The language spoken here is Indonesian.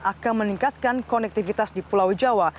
akan meningkatkan konektivitas di pulau jawa